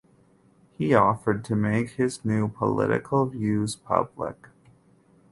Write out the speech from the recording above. He offered to make his new political views public.